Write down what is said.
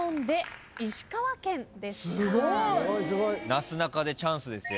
なすなかでチャンスですよ。